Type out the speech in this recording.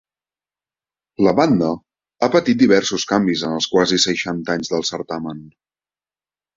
La banda ha patit diversos canvis en els quasi seixanta anys del certamen.